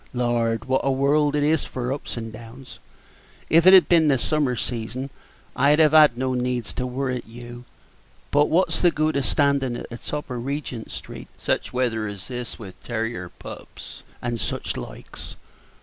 Lord, wot a world it is for ups and downs! If it had been the summer season, I'd have had no needs to worrit you; but what's the good of standin' at the top of Regent street such weather as this with tarrier pups and such likes?